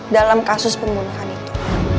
dalam kasus pembunuhan itu